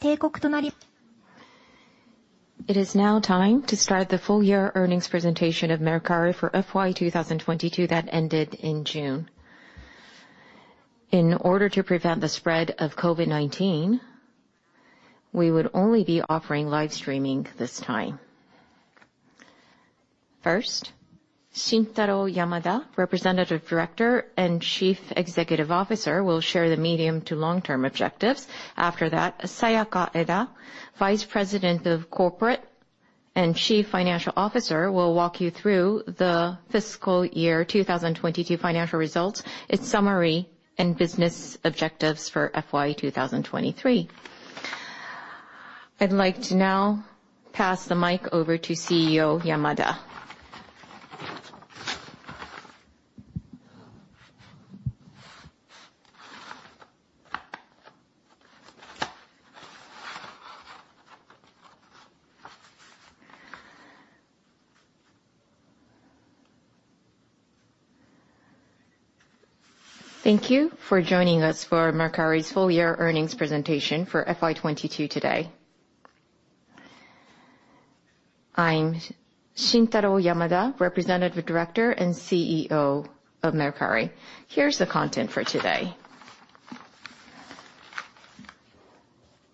It is now time to start the full year earnings presentation of Mercari for FY 2022 that ended in June. In order to prevent the spread of COVID-19, we would only be offering live streaming this time. First, Shintaro Yamada, Representative Director and Chief Executive Officer, will share the medium to long-term objectives. After that, Sayaka Eda, Vice President of Corporate and Chief Financial Officer, will walk you through the fiscal year 2022 financial results, its summary, and business objectives for FY 2023. I'd like to now pass the mic over to CEO Yamada. Thank you for joining us for Mercari's full year earnings presentation for FY 2022 today. I'm Shintaro Yamada, Representative Director and CEO of Mercari. Here's the content for today.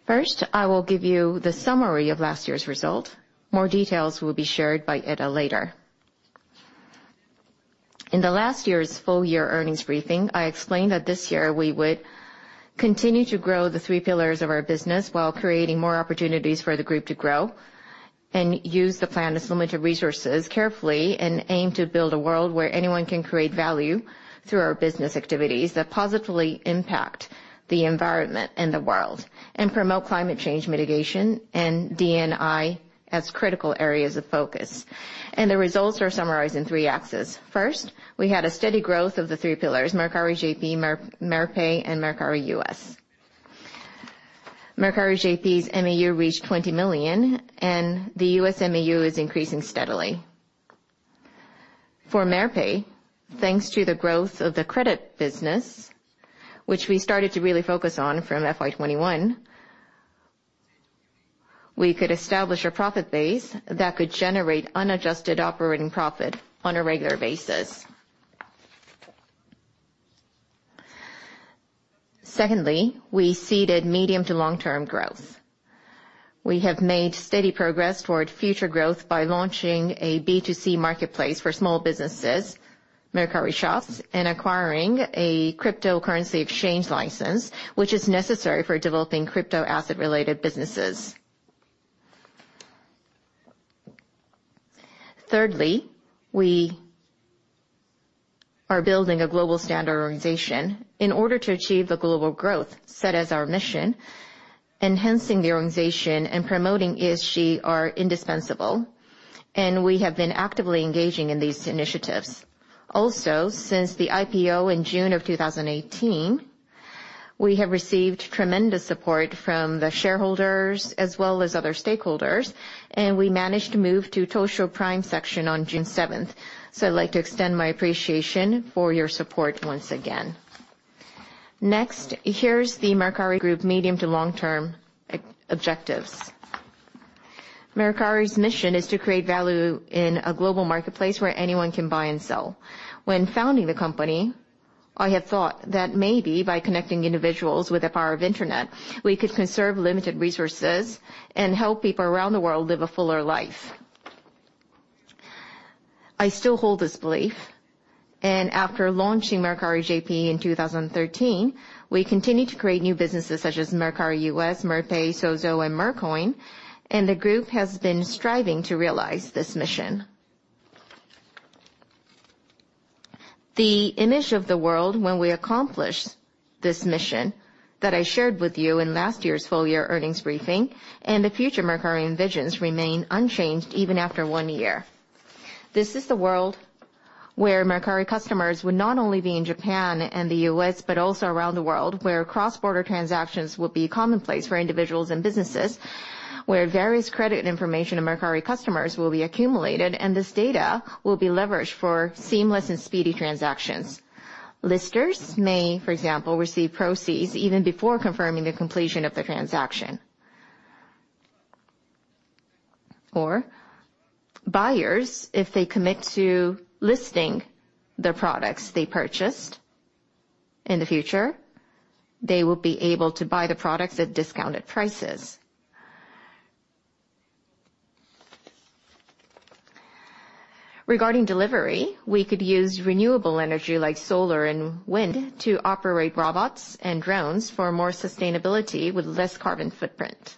First, I will give you the summary of last year's result. More details will be shared by Eda later. In the last year's full year earnings briefing, I explained that this year we would continue to grow the three pillars of our business while creating more opportunities for the group to grow and use the plan's limited resources carefully and aim to build a world where anyone can create value through our business activities that positively impact the environment and the world and promote climate change mitigation and D&I as critical areas of focus. The results are summarized in three axes. First, we had a steady growth of the three pillars, Mercari JP, Merpay, and Mercari US. Mercari JP's MAU reached 20 million, and the U.S. MAU is increasing steadily. For Merpay, thanks to the growth of the credit business, which we started to really focus on from FY 2021, we could establish a profit base that could generate unadjusted operating profit on a regular basis. Secondly, we see the medium to long-term growth. We have made steady progress toward future growth by launching a B2C marketplace for small businesses, Mercari Shops, and acquiring a cryptocurrency exchange license, which is necessary for developing crypto asset-related businesses. Thirdly, we are building a global standard organization. In order to achieve the global growth set as our mission, enhancing the organization and promoting ESG are indispensable, and we have been actively engaging in these initiatives. Also, since the IPO in June 2018, we have received tremendous support from the shareholders as well as other stakeholders, and we managed to move to Tokyo Stock Exchange Prime Market on June 7. I'd like to extend my appreciation for your support once again. Next, here's the Mercari Group medium to long-term objectives. Mercari's mission is to create value in a global marketplace where anyone can buy and sell. When founding the company, I had thought that maybe by connecting individuals with the power of internet, we could conserve limited resources and help people around the world live a fuller life. I still hold this belief, and after launching Mercari JP in 2013, we continued to create new businesses such as Mercari US, Merpay, Souzoh, and Mercoin, and the group has been striving to realize this mission. The image of the world when we accomplished this mission that I shared with you in last year's full year earnings briefing and the future Mercari envisions remain unchanged even after one year. This is the world where Mercari customers would not only be in Japan and the U.S., but also around the world, where cross-border transactions would be commonplace for individuals and businesses, where various credit information of Mercari customers will be accumulated, and this data will be leveraged for seamless and speedy transactions. Listers may, for example, receive proceeds even before confirming the completion of the transaction. Buyers, if they commit to listing the products they purchased in the future, they will be able to buy the products at discounted prices. Regarding delivery, we could use renewable energy like solar and wind to operate robots and drones for more sustainability with less carbon footprint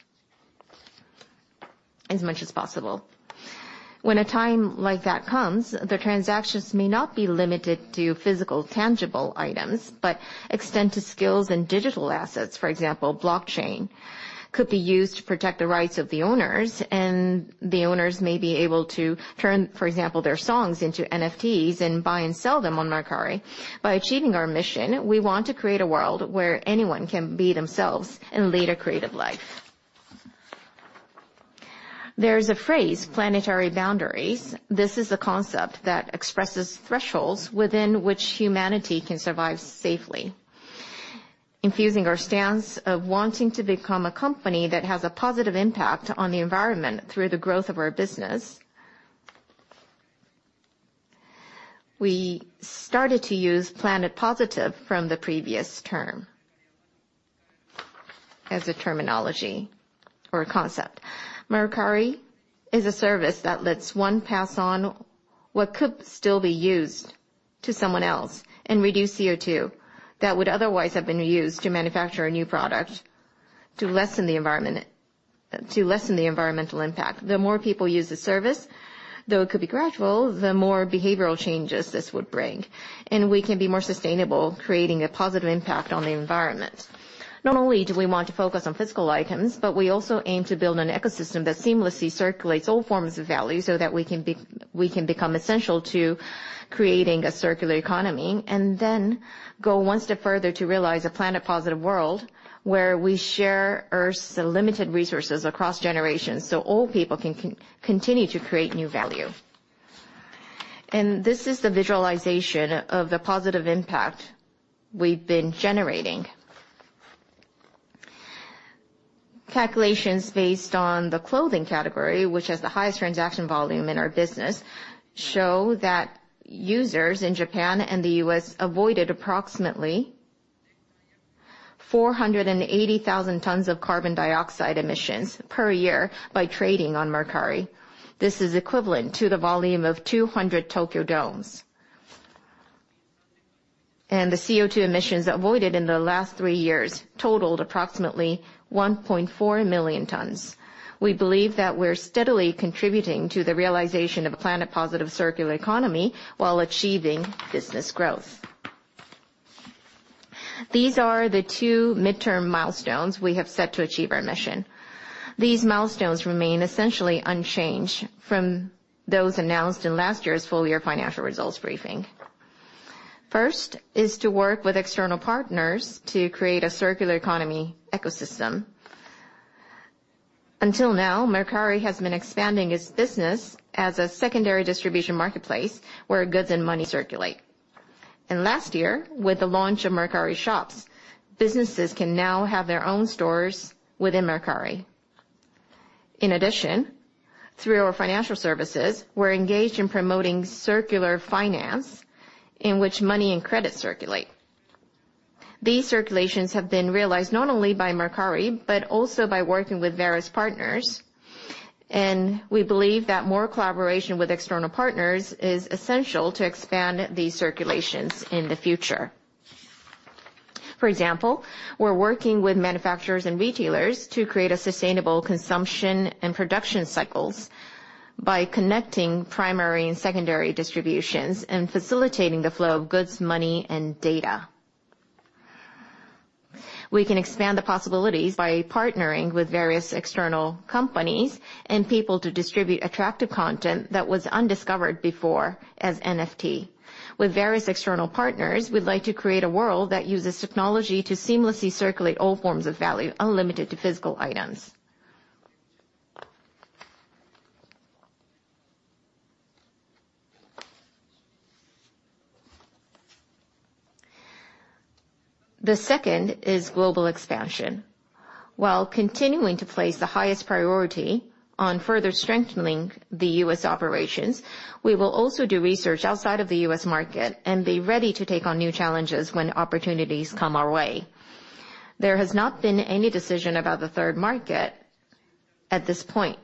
as much as possible. When a time like that comes, the transactions may not be limited to physical tangible items, but extend to skills and digital assets. For example, blockchain could be used to protect the rights of the owners, and the owners may be able to turn, for example, their songs into NFTs and buy and sell them on Mercari. By achieving our mission, we want to create a world where anyone can be themselves and lead a creative life. There is a phrase, planetary boundaries. This is a concept that expresses thresholds within which humanity can survive safely. Infusing our stance of wanting to become a company that has a positive impact on the environment through the growth of our business. We started to use planet positive from the previous term as a terminology or a concept. Mercari is a service that lets one pass on what could still be used to someone else and reduce CO₂ that would otherwise have been used to manufacture a new product to lessen the environmental impact. The more people use the service, though it could be gradual, the more behavioral changes this would bring, and we can be more sustainable, creating a positive impact on the environment. Not only do we want to focus on physical items, but we also aim to build an ecosystem that seamlessly circulates all forms of value so that we can become essential to creating a circular economy, and then go one step further to realize a planet positive world where we share Earth's limited resources across generations, so all people can continue to create new value. This is the visualization of the positive impact we've been generating. Calculations based on the clothing category, which has the highest transaction volume in our business, show that users in Japan and the U.S. avoided approximately 480,000 tons of carbon dioxide emissions per year by trading on Mercari. This is equivalent to the volume of 200 Tokyo Domes. The CO₂ emissions avoided in the last three years totaled approximately 1.4 million tons. We believe that we're steadily contributing to the realization of a planet positive circular economy while achieving business growth. These are the two midterm milestones we have set to achieve our mission. These milestones remain essentially unchanged from those announced in last year's full-year financial results briefing. First is to work with external partners to create a circular economy ecosystem. Until now, Mercari has been expanding its business as a secondary distribution marketplace where goods and money circulate. Last year, with the launch of Mercari Shops, businesses can now have their own stores within Mercari. In addition, through our financial services, we're engaged in promoting circular finance in which money and credit circulate. These circulations have been realized not only by Mercari, but also by working with various partners, and we believe that more collaboration with external partners is essential to expand these circulations in the future. For example, we're working with manufacturers and retailers to create a sustainable consumption and production cycles by connecting primary and secondary distributions and facilitating the flow of goods, money, and data. We can expand the possibilities by partnering with various external companies and people to distribute attractive content that was undiscovered before as NFT. With various external partners, we'd like to create a world that uses technology to seamlessly circulate all forms of value, unlimited to physical items. The second is global expansion. While continuing to place the highest priority on further strengthening the U.S. operations, we will also do research outside of the U.S. market and be ready to take on new challenges when opportunities come our way. There has not been any decision about the third market at this point.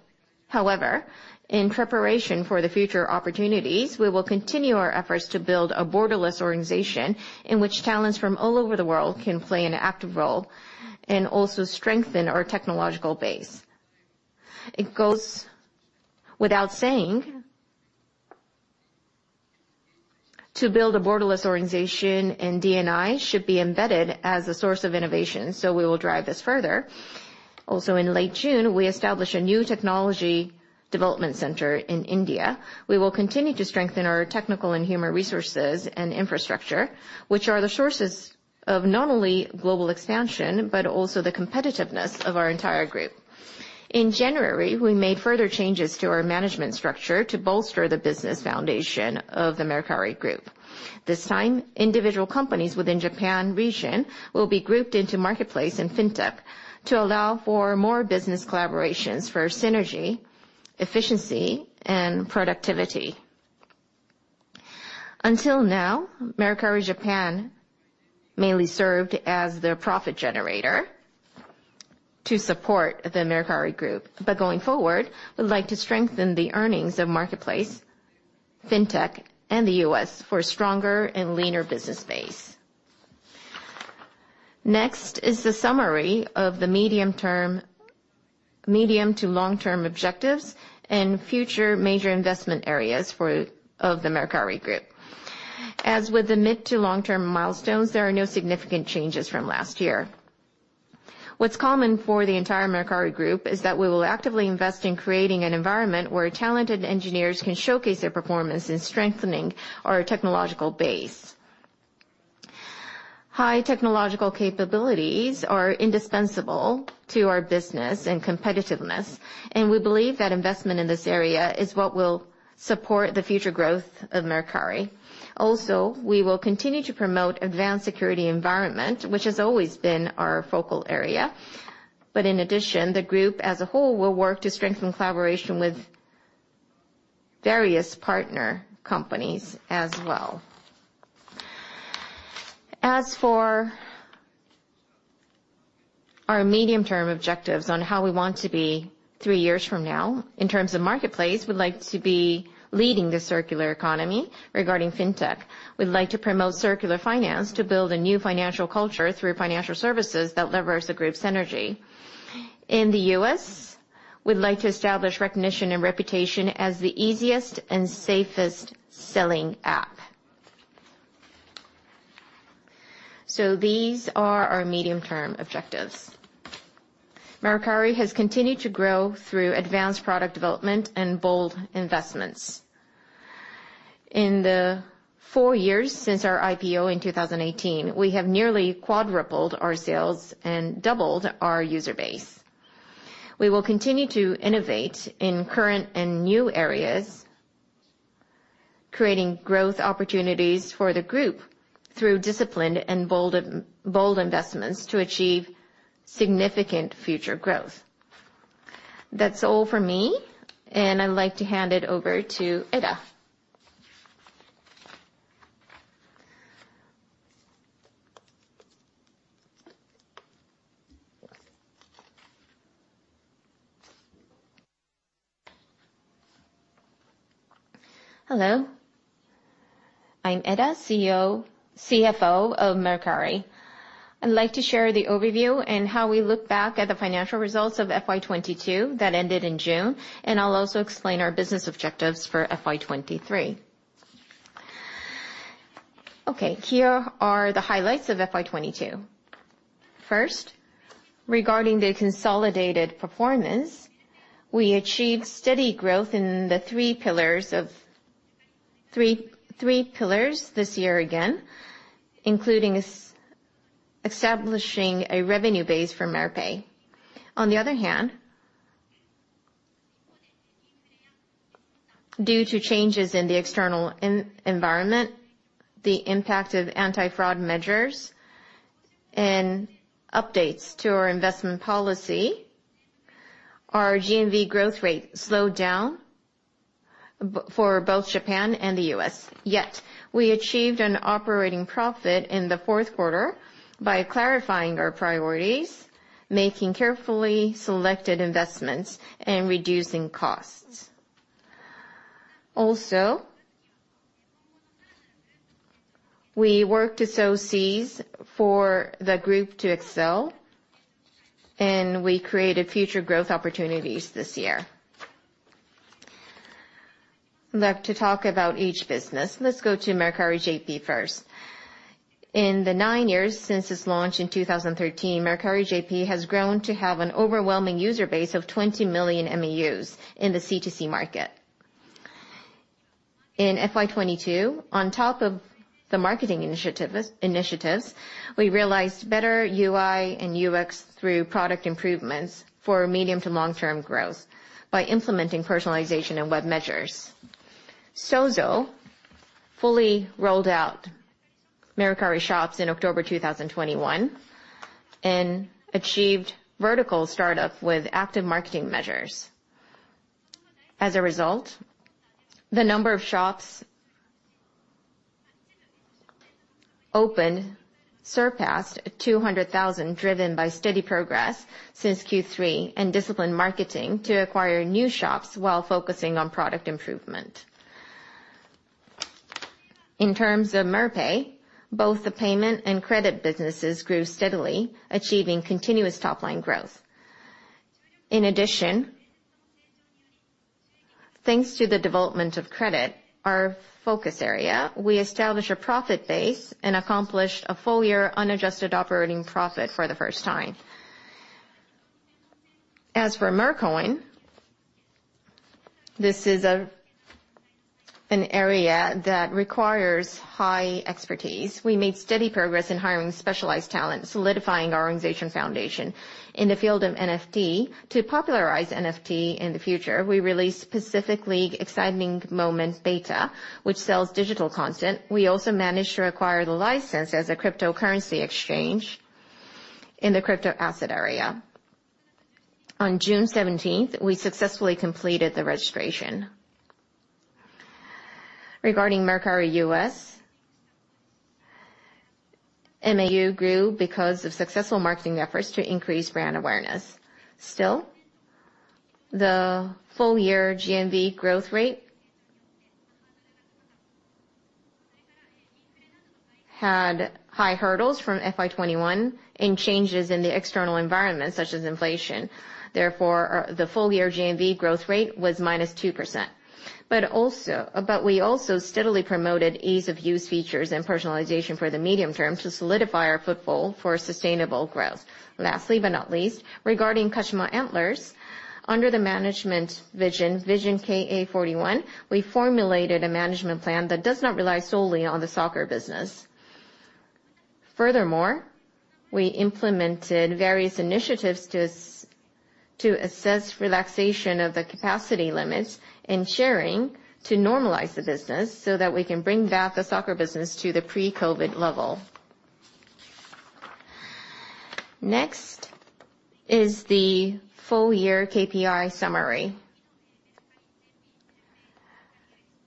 However, in preparation for the future opportunities, we will continue our efforts to build a borderless organization in which talents from all over the world can play an active role and also strengthen our technological base. It goes without saying, to build a borderless organization and D&I should be embedded as a source of innovation, so we will drive this further. Also, in late June, we established a new technology development center in India. We will continue to strengthen our technical and human resources and infrastructure, which are the sources of not only global expansion, but also the competitiveness of our entire group. In January, we made further changes to our management structure to bolster the business foundation of the Mercari Group. This time, individual companies within Japan region will be grouped into Marketplace and Fintech to allow for more business collaborations for synergy, efficiency, and productivity. Until now, Mercari JP mainly served as the profit generator to support the Mercari Group. Going forward, we'd like to strengthen the earnings of Marketplace, Fintech, and the US for a stronger and leaner business base. Next is the summary of the medium- to long-term objectives and future major investment areas of the Mercari Group. As with the mid- to long-term milestones, there are no significant changes from last year. What's common for the entire Mercari Group is that we will actively invest in creating an environment where talented engineers can showcase their performance in strengthening our technological base. High technological capabilities are indispensable to our business and competitiveness, and we believe that investment in this area is what will support the future growth of Mercari. Also, we will continue to promote advanced security environment, which has always been our focal area. In addition, the Group as a whole will work to strengthen collaboration with various partner companies as well. As for our medium-term objectives on how we want to be three years from now, in terms of marketplace, we'd like to be leading the circular economy. Regarding Fintech, we'd like to promote circular finance to build a new financial culture through financial services that leverage the group's energy. In the U.S., we'd like to establish recognition and reputation as the easiest and safest selling app. These are our medium-term objectives. Mercari has continued to grow through advanced product development and bold investments. In the four years since our IPO in 2018, we have nearly quadrupled our sales and doubled our user base. We will continue to innovate in current and new areas, creating growth opportunities for the group through disciplined and bold investments to achieve significant future growth. That's all for me, and I'd like to hand it over to Eda. Hello. I'm Eda, CFO of Mercari. I'd like to share the overview and how we look back at the financial results of FY 2022 that ended in June, and I'll also explain our business objectives for FY 2023. Okay, here are the highlights of FY 2022. First, regarding the consolidated performance, we achieved steady growth in the three pillars this year again, including establishing a revenue base for Mercari. On the other hand, due to changes in the external environment, the impact of anti-fraud measures, and updates to our investment policy, our GMV growth rate slowed down for both Japan and the U.S. Yet, we achieved an operating profit in the fourth quarter by clarifying our priorities, making carefully selected investments, and reducing costs. Also, we worked to sow seeds for the group to excel, and we created future growth opportunities this year. I'd like to talk about each business. Let's go to Mercari JP first. In the nine years since its launch in 2013, Mercari JP has grown to have an overwhelming user base of 20 million MAUs in the C2C market. In FY22, on top of the marketing initiatives, we realized better UI and UX through product improvements for medium to long-term growth by implementing personalization and web measures. Souzoh fully rolled out Mercari Shops in October 2021 and achieved vertical startup with active marketing measures. As a result, the number of shops opened surpassed 200,000, driven by steady progress since Q3 and disciplined marketing to acquire new shops while focusing on product improvement. In terms of Merpay, both the payment and credit businesses grew steadily, achieving continuous top-line growth. In addition, thanks to the development of credit, our focus area, we established a profit base and accomplished a full-year unadjusted operating profit for the first time. As for Mercari, this is an area that requires high expertise. We made steady progress in hiring specialized talent, solidifying our organization foundation. In the field of NFT, to popularize NFT in the future, we released Pacific League Exciting Moments β, which sells digital content. We also managed to acquire the license as a cryptocurrency exchange in the crypto asset area. On June 17, we successfully completed the registration. Regarding Mercari US, MAU grew because of successful marketing efforts to increase brand awareness. Still, the full-year GMV growth rate had high hurdles from FY 2021 and changes in the external environment, such as inflation. Therefore, the full-year GMV growth rate was -2%. We also steadily promoted ease-of-use features and personalization for the medium term to solidify our foothold for sustainable growth. Lastly but not least, regarding Kashima Antlers, under the management vision, Vision KA41, we formulated a management plan that does not rely solely on the soccer business. Furthermore, we implemented various initiatives to assess relaxation of the capacity limits ensuring to normalize the business, so that we can bring back the soccer business to the pre-COVID-19 level. Next is the full year KPI summary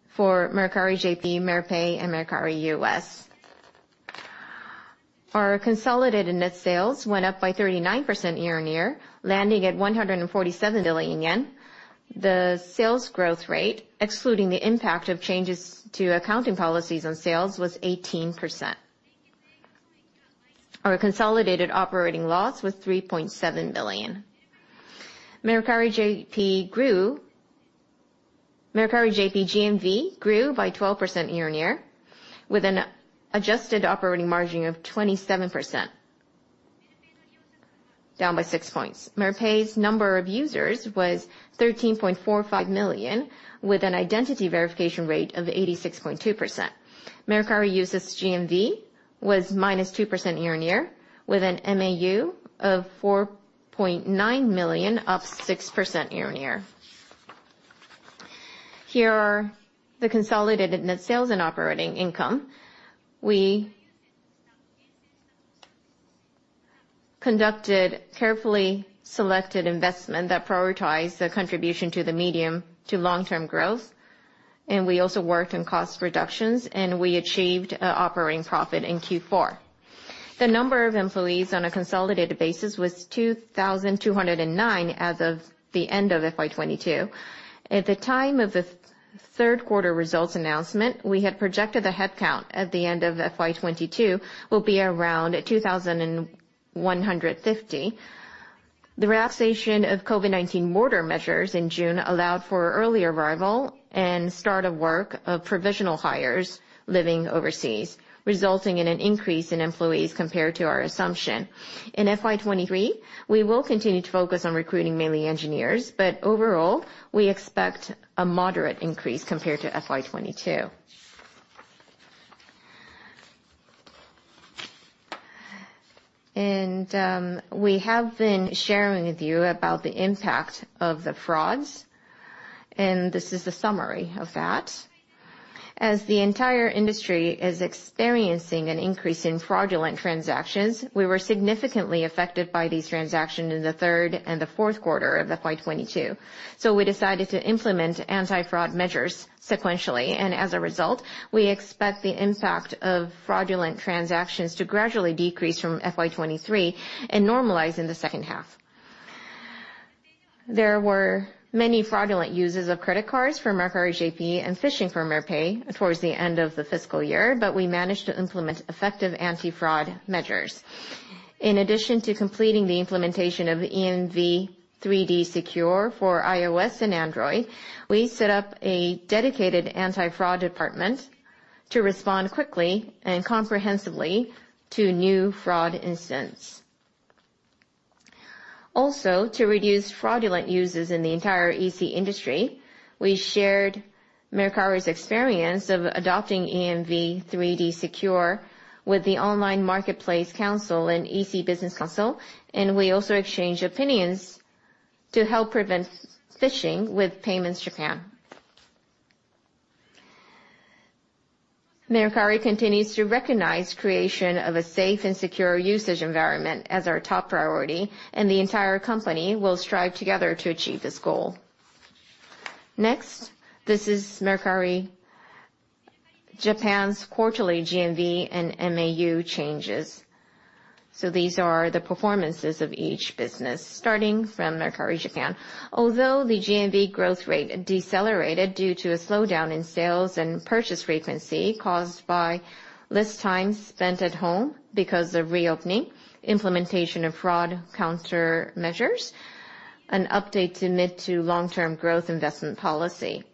for Mercari JP, Mercari, and Mercari US. Our consolidated net sales went up by 39% year-on-year, landing at 147 billion yen. The sales growth rate, excluding the impact of changes to accounting policies on sales, was 18%. Our consolidated operating loss was 3.7 billion. Mercari JP grew... Mercari JP GMV grew by 12% year-on-year, with an adjusted operating margin of 27%, down by 6 points. Mercari's number of users was 13.45 million, with an identity verification rate of 86.2%. Mercari US' GMV was -2% year-on-year, with an MAU of 4.9 million, up 6% year-on-year. Here are the consolidated net sales and operating income. We conducted carefully selected investment that prioritized the contribution to the medium to long-term growth, and we also worked on cost reductions, and we achieved operating profit in Q4. The number of employees on a consolidated basis was 2,209 as of the end of FY 2022. At the time of the third quarter results announcement, we had projected the headcount at the end of FY 2022 will be around 2,150. The relaxation of COVID-19 border measures in June allowed for early arrival and start of work of provisional hires living overseas, resulting in an increase in employees compared to our assumption. In FY 2023, we will continue to focus on recruiting mainly engineers, but overall, we expect a moderate increase compared to FY 2022. We have been sharing with you about the impact of the frauds, and this is the summary of that. As the entire industry is experiencing an increase in fraudulent transactions, we were significantly affected by these transactions in the third and the fourth quarter of FY 2022. We decided to implement anti-fraud measures sequentially, and as a result, we expect the impact of fraudulent transactions to gradually decrease from FY 2023 and normalize in the second half. There were many fraudulent users of credit cards for Mercari JP and phishing for Mercari towards the end of the fiscal year, but we managed to implement effective anti-fraud measures. In addition to completing the implementation of EMV 3-D Secure for iOS and Android, we set up a dedicated anti-fraud department to respond quickly and comprehensively to new fraud incidents. Also, to reduce fraudulent users in the entire EC industry, we shared Mercari's experience of adopting EMV 3-D Secure with the Online Marketplace Council and EC Business Council, and we also exchanged opinions to help prevent phishing with Payments Japan. Mercari continues to recognize creation of a safe and secure usage environment as our top priority, and the entire company will strive together to achieve this goal. Next, this is Mercari Japan's quarterly GMV and MAU changes. These are the performances of each business, starting from Mercari Japan. Although the GMV growth rate decelerated due to a slowdown in sales and purchase frequency caused by less time spent at home because of reopening, implementation of fraud countermeasures, an update to mid- to long-term growth investment policy.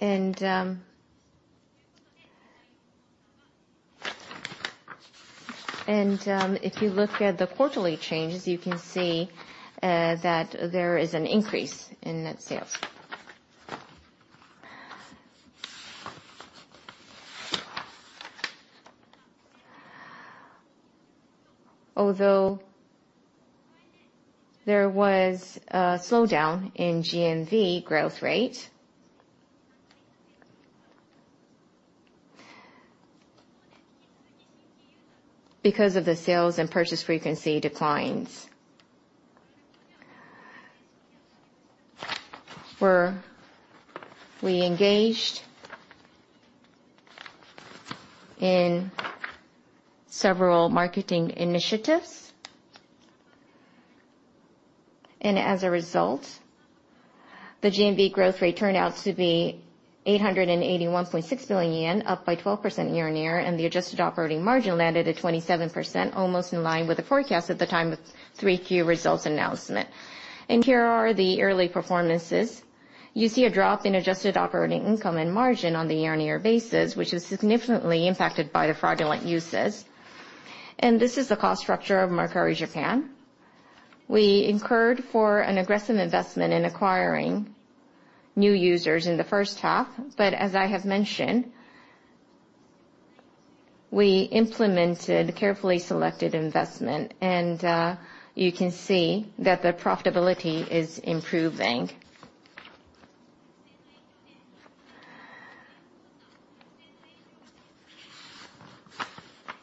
If you look at the quarterly changes, you can see that there is an increase in net sales. Although there was a slowdown in GMV growth rate because of the sales and purchase frequency declines, we engaged in several marketing initiatives. As a result, the GMV growth rate turned out to be 881.6 billion yen, up by 12% year-on-year, and the adjusted operating margin landed at 27%, almost in line with the forecast at the time of 3Q results announcement. Here are the early performances. You see a drop in adjusted operating income and margin on the year-on-year basis, which is significantly impacted by the fraudulent users. This is the cost structure of Mercari Japan. We incurred for an aggressive investment in acquiring new users in the first half, but as I have mentioned, we implemented carefully selected investment. You can see that the profitability is improving.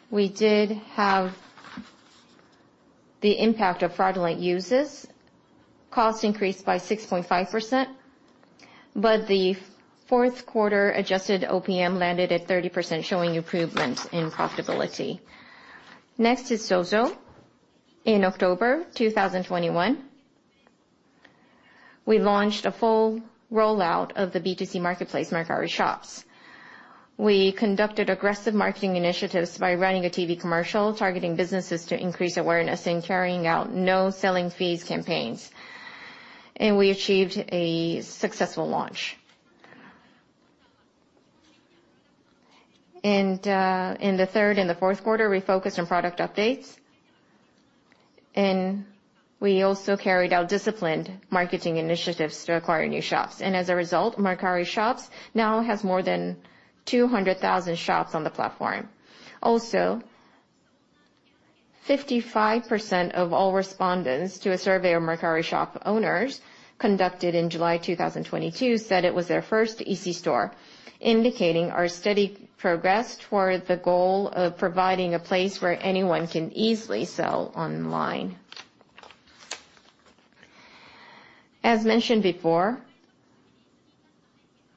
We did have the impact of fraudulent users. Cost increased by 6.5%, but the fourth quarter adjusted OPM landed at 30%, showing improvements in profitability. Next is Souzoh. In October 2021, we launched a full rollout of the B2C marketplace, Mercari Shops. We conducted aggressive marketing initiatives by running a TV commercial targeting businesses to increase awareness in carrying out no selling fees campaigns, and we achieved a successful launch. In the third and the fourth quarter, we focused on product updates, and we also carried out disciplined marketing initiatives to acquire new shops. As a result, Mercari Shops now has more than 200,000 shops on the platform. Also, 55% of all respondents to a survey of Mercari Shops owners conducted in July 2022 said it was their first EC store, indicating our steady progress toward the goal of providing a place where anyone can easily sell online. As mentioned before,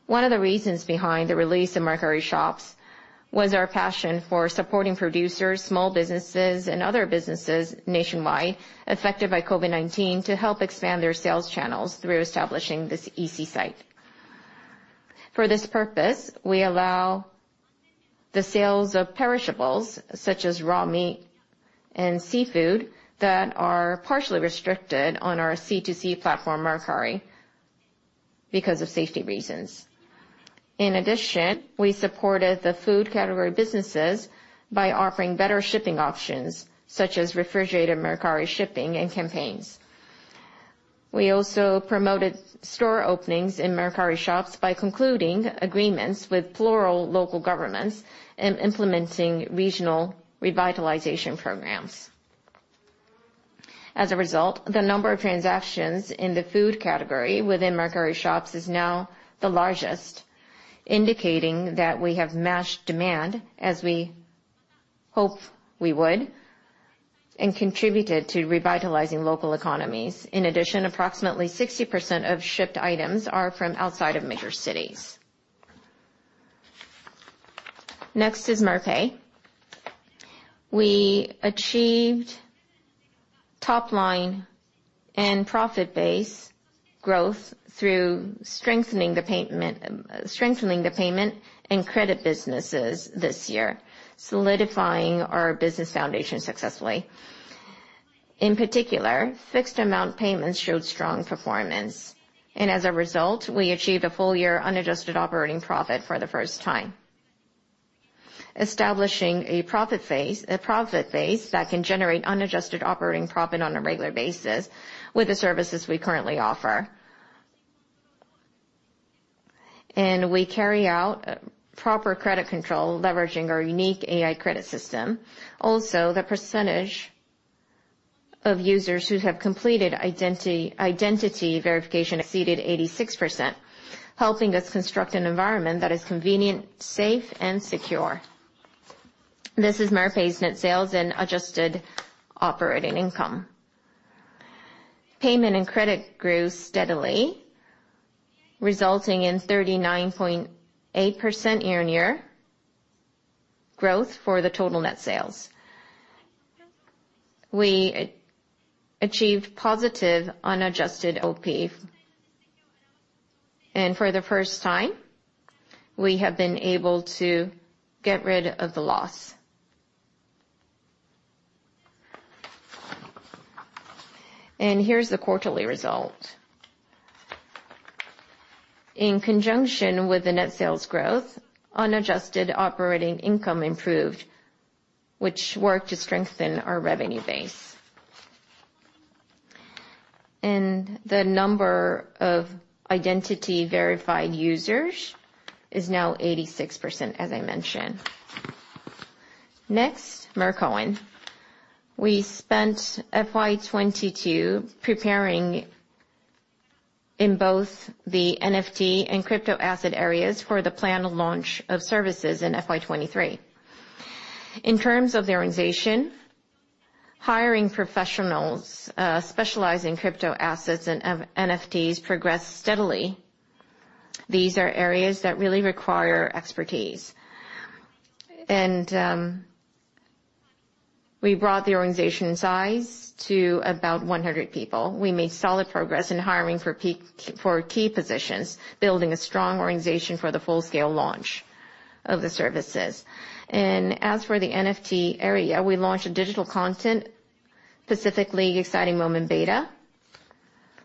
one of the reasons behind the release of Mercari Shops was our passion for supporting producers, small businesses, and other businesses nationwide affected by COVID-19 to help expand their sales channels through establishing this EC site. For this purpose, we allow the sales of perishables such as raw meat and seafood that are partially restricted on our C2C platform, Mercari, because of safety reasons. In addition, we supported the food category businesses by offering better shipping options, such as refrigerated Mercari shipping and campaigns. We also promoted store openings in Mercari Shops by concluding agreements with plural local governments and implementing regional revitalization programs. As a result, the number of transactions in the food category within Mercari Shops is now the largest, indicating that we have matched demand as we hope we would, and contributed to revitalizing local economies. In addition, approximately 60% of shipped items are from outside of major cities. Next is Merpay. We achieved top line and profit base growth through strengthening the payment and credit businesses this year, solidifying our business foundation successfully. In particular, fixed amount payments showed strong performance, and as a result, we achieved a full year unadjusted operating profit for the first time. Establishing a profit base that can generate unadjusted operating profit on a regular basis with the services we currently offer. We carry out proper credit control, leveraging our unique AI credit system. Also, the percentage of users who have completed identity verification exceeded 86%, helping us construct an environment that is convenient, safe, and secure. This is Merpay's net sales and adjusted operating income. Payment and credit grew steadily, resulting in 39.8% year-on-year growth for the total net sales. We achieved positive unadjusted OP. For the first time, we have been able to get rid of the loss. Here's the quarterly result. In conjunction with the net sales growth, unadjusted operating income improved, which worked to strengthen our revenue base. The number of identity-verified users is now 86%, as I mentioned. Next, Mercoin. We spent FY 2022 preparing in both the NFT and cryptoasset areas for the planned launch of services in FY 2023. In terms of the organization, hiring professionals specializing cryptoasset and NFTs progressed steadily. These are areas that really require expertise. We brought the organization size to about 100 people. We made solid progress in hiring for key positions, building a strong organization for the full-scale launch of the services. As for the NFT area, we launched a digital content, specifically Exciting Moments β.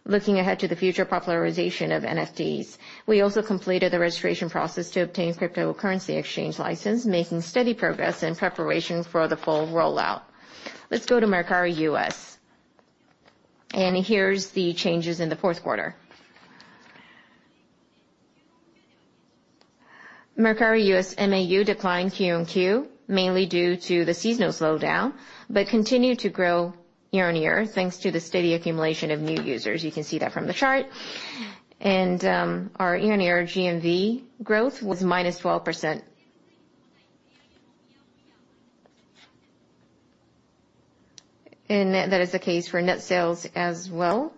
Looking ahead to the future popularization of NFTs, we also completed the registration process to obtain cryptocurrency exchange license, making steady progress in preparation for the full rollout. Let's go to Mercari US. Here's the changes in the fourth quarter. Mercari US MAU declined QoQ, mainly due to the seasonal slowdown, but continued to grow year-on-year, thanks to the steady accumulation of new users. You can see that from the chart. Our year-on-year GMV growth was -12%. That is the case for net sales as well.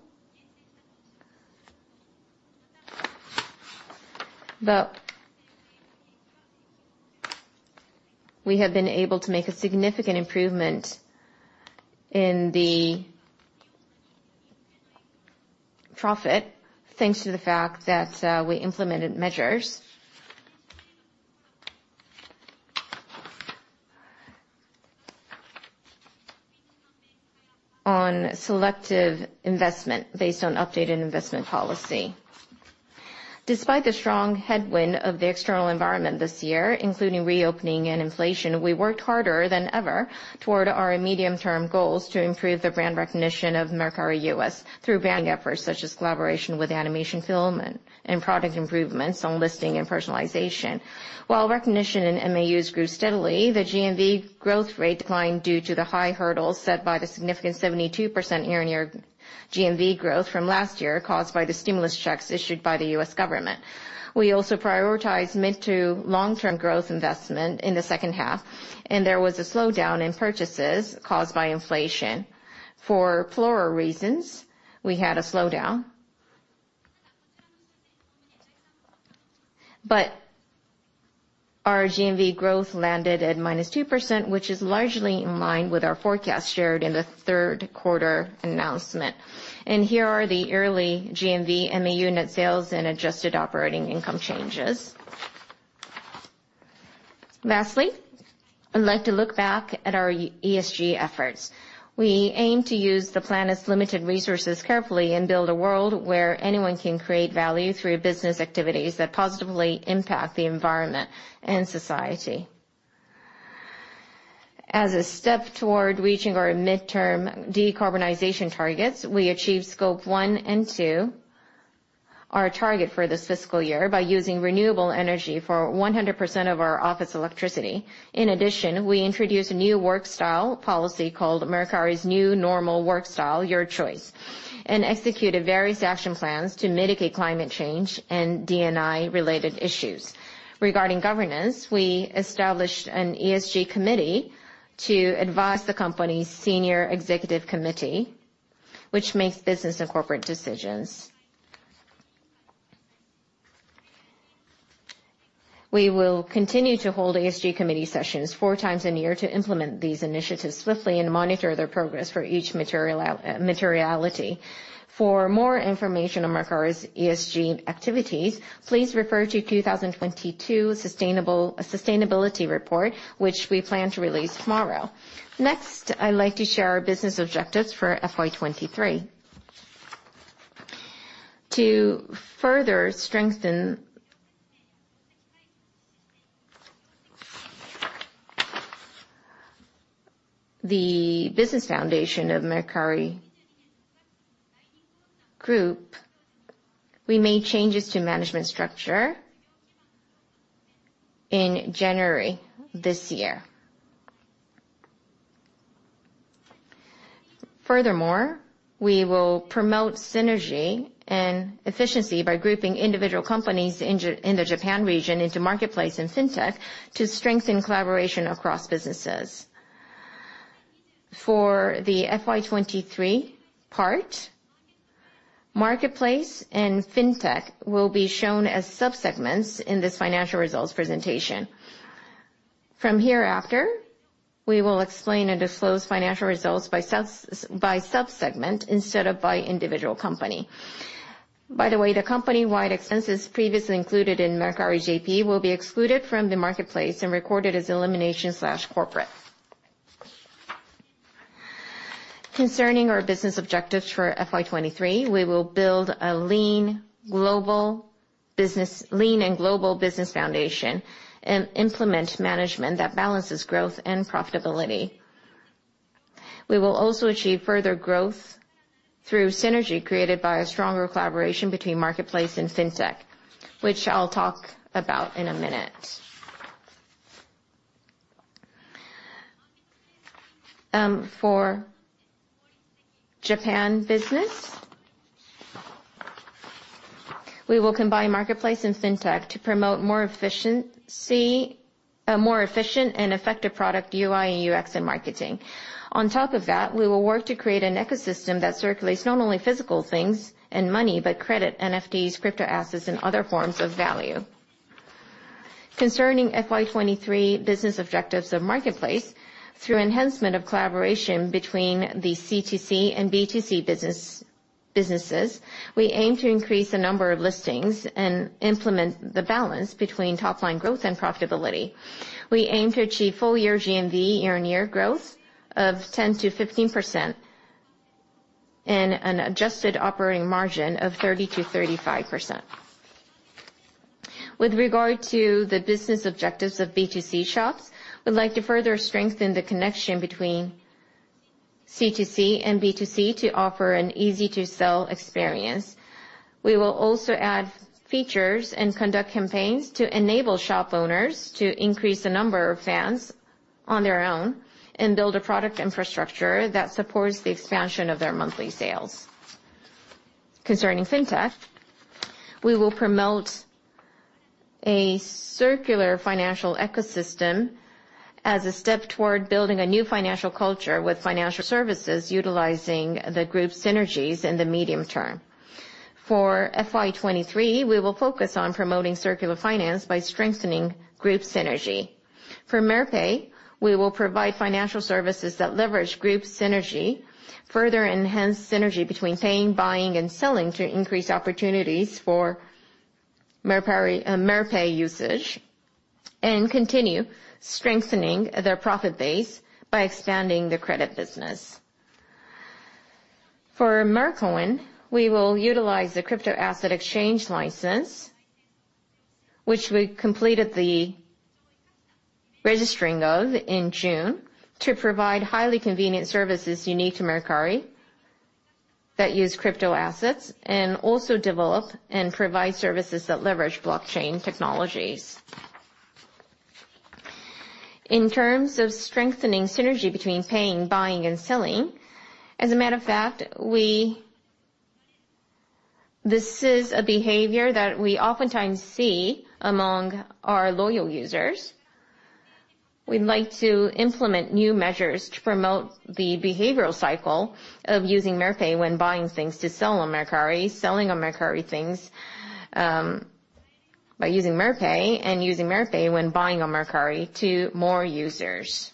We have been able to make a significant improvement in the profit, thanks to the fact that we implemented measures on selective investment based on updated investment policy. Despite the strong headwind of the external environment this year, including reopening and inflation, we worked harder than ever toward our medium-term goals to improve the brand recognition of Mercari US through branding efforts such as collaboration with animation film and product improvements on listing and personalization. While recognition in MAUs grew steadily, the GMV growth rate declined due to the high hurdles set by the significant 72% year-on-year GMV growth from last year, caused by the stimulus checks issued by the US government. We also prioritized mid to long-term growth investment in the second half, and there was a slowdown in purchases caused by inflation. For several reasons, we had a slowdown. Our GMV growth landed at -2%, which is largely in line with our forecast shared in the third quarter announcement. Here are the yearly GMV MAU net sales and adjusted operating income changes. Lastly, I'd like to look back at our ESG efforts. We aim to use the planet's limited resources carefully and build a world where anyone can create value through business activities that positively impact the environment and society. As a step toward reaching our midterm decarbonization targets, we achieved Scope 1 and 2, our target for this fiscal year, by using renewable energy for 100% of our office electricity. In addition, we introduced a new work style policy called Mercari's New Normal Work Style, Your Choice, and executed various action plans to mitigate climate change and D&I-related issues. Regarding governance, we established an ESG Committee to advise the company's Senior Executive Committee, which makes business and corporate decisions. We will continue to hold ESG Committee sessions four times a year to implement these initiatives swiftly and monitor their progress for each materiality. For more information on Mercari's ESG activities, please refer to 2022 Sustainability Report, which we plan to release tomorrow. Next, I'd like to share our business objectives for FY 2023. To further strengthen the business foundation of Mercari Group, we made changes to management structure in January this year. Furthermore, we will promote synergy and efficiency by grouping individual companies in the Japan region into Marketplace and Fintech to strengthen collaboration across businesses. For the FY 2023 part, Marketplace and Fintech will be shown as sub-segments in this financial results presentation. From hereafter, we will explain and disclose financial results by sub-segment instead of by individual company. By the way, the company-wide expenses previously included in Mercari JP will be excluded from the Marketplace and recorded as elimination/corporate. Concerning our business objectives for FY 2023, we will build a lean and global business foundation and implement management that balances growth and profitability. We will also achieve further growth through synergy created by a stronger collaboration between Marketplace and Fintech, which I'll talk about in a minute. For Japan business, we will combine Marketplace and Fintech to promote more efficiency, more efficient and effective product UI and UX and marketing. On top of that, we will work to create an ecosystem that circulates not only physical things and money, but credit, NFTs, crypto assets, and other forms of value. Concerning FY 2023 business objectives of Marketplace, through enhancement of collaboration between the C2C and B2C businesses, we aim to increase the number of listings and implement the balance between top-line growth and profitability. We aim to achieve full-year GMV year-on-year growth of 10%-15% and an adjusted operating margin of 30%-35%. With regard to the business objectives of B2C shops, we'd like to further strengthen the connection between C2C and B2C to offer an easy-to-sell experience. We will also add features and conduct campaigns to enable shop owners to increase the number of fans on their own and build a product infrastructure that supports the expansion of their monthly sales. Concerning Fintech, we will promote a circular financial ecosystem as a step toward building a new financial culture with financial services utilizing the group synergies in the medium term. For FY 2023, we will focus on promoting circular finance by strengthening group synergy. For Merpay, we will provide financial services that leverage group synergy, further enhance synergy between paying, buying, and selling to increase opportunities for Merpay usage, and continue strengthening their profit base by expanding the credit business. For Mercoin, we will utilize the crypto asset exchange license, which we completed the registering of in June, to provide highly convenient services unique to Mercari that use crypto assets and also develop and provide services that leverage blockchain technologies. In terms of strengthening synergy between paying, buying, and selling, as a matter of fact, this is a behavior that we often times see among our loyal users. We'd like to implement new measures to promote the behavioral cycle of using Merpay when buying things to sell on Mercari, selling on Mercari things by using Merpay, and using Merpay when buying on Mercari to more users.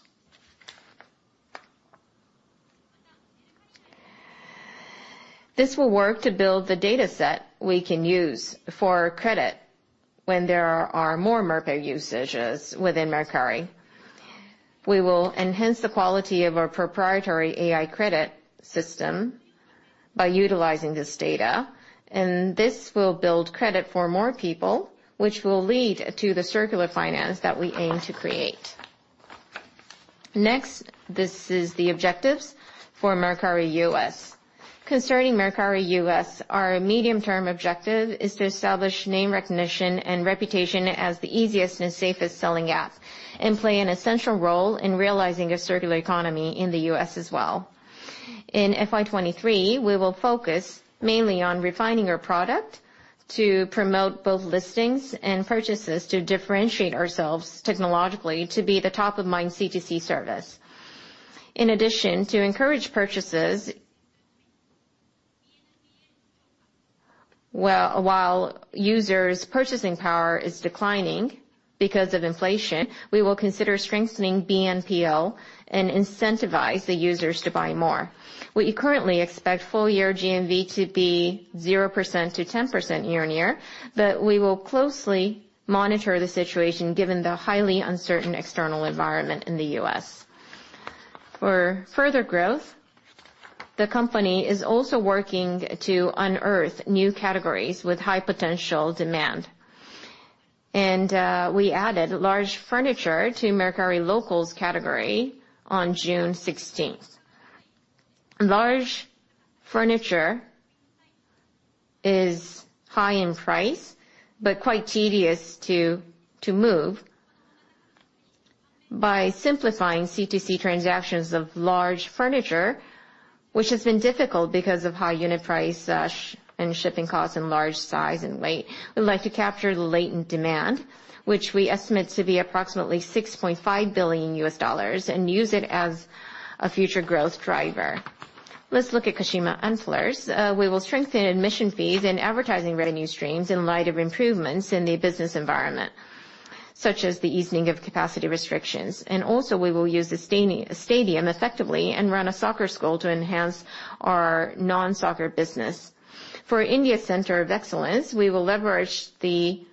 This will work to build the data set we can use for credit when there are more Merpay usages within Mercari. We will enhance the quality of our proprietary AI credit system by utilizing this data, and this will build credit for more people, which will lead to the circular finance that we aim to create. Next, this is the objectives for Mercari US. Concerning Mercari US, our medium-term objective is to establish name recognition and reputation as the easiest and safest selling app and play an essential role in realizing a circular economy in the U.S. as well. In FY 2023, we will focus mainly on refining our product to promote both listings and purchases to differentiate ourselves technologically to be the top-of-mind C2C service. In addition, to encourage purchases, well, while users' purchasing power is declining because of inflation, we will consider strengthening BNPL and incentivize the users to buy more. We currently expect full year GMV to be 0%-10% year-on-year, but we will closely monitor the situation given the highly uncertain external environment in the US. For further growth, the company is also working to unearth new categories with high potential demand. We added large furniture to Mercari Local category on June 16. Large furniture is high in price but quite tedious to move. By simplifying C2C transactions of large furniture, which has been difficult because of high unit price and shipping costs and large size and weight, we'd like to capture the latent demand, which we estimate to be approximately $6.5 billion, and use it as a future growth driver. Let's look at Kashima Antlers. We will strengthen admission fees and advertising revenue streams in light of improvements in the business environment, such as the easing of capacity restrictions. We will use the stadium effectively and run a soccer school to enhance our non-soccer business. For India Center of Excellence, we will leverage the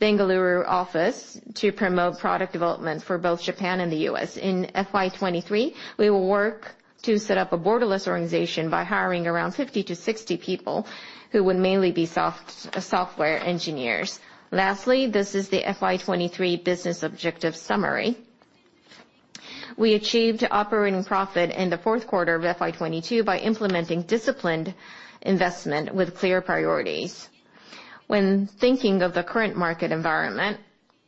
Bengaluru office to promote product development for both Japan and the U.S.. In FY 2023, we will work to set up a borderless organization by hiring around 50-60 people, who would mainly be software engineers. Lastly, this is the FY23 business objective summary. We achieved operating profit in the fourth quarter of FY22 by implementing disciplined investment with clear priorities. When thinking of the current market environment,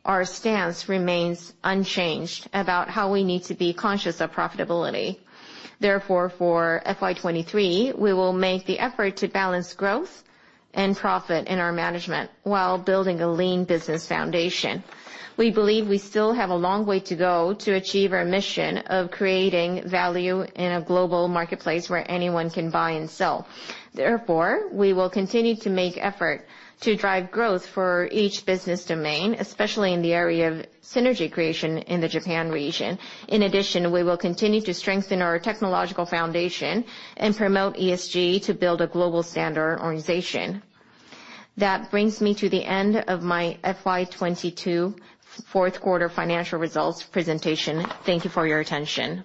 our stance remains unchanged about how we need to be conscious of profitability. Therefore, for FY23, we will make the effort to balance growth and profit in our management while building a lean business foundation. We believe we still have a long way to go to achieve our mission of creating value in a global marketplace where anyone can buy and sell. Therefore, we will continue to make effort to drive growth for each business domain, especially in the area of synergy creation in the Japan region. In addition, we will continue to strengthen our technological foundation and promote ESG to build a global standard organization. That brings me to the end of my FY 2022 fourth quarter financial results presentation. Thank you for your attention.